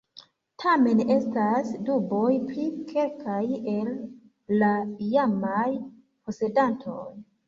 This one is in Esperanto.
Tamen estas duboj pri kelkaj el la iamaj posedantoj.